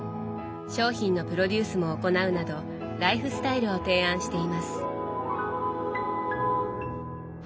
商品のプロデュースも行うなどライフスタイルを提案しています。